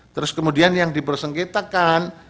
terus kemudian yang dipersengketakan